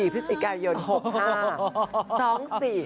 ๒๔พฤษิกายเยินหกห้า